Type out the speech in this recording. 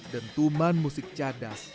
dan tuman musik cadas